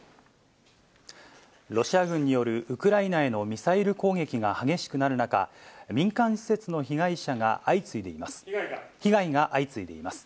ロシア軍によるウクライナへのミサイル攻撃が激しくなる中、民間施設の被害者が相次いでいます。